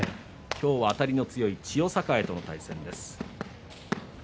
今日は、あたりが強い千代栄との対戦です。